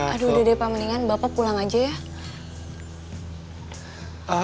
aduh udah deh pak mendingan bapak pulang aja ya